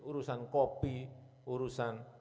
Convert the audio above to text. urusan kopi urusan